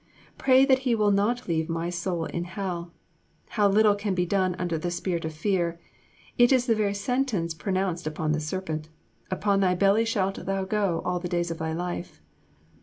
Pray that He will not leave my soul in hell. How little can be done under the spirit of fear; it is the very sentence pronounced upon the serpent, "Upon thy belly shalt thou go all the days of thy life."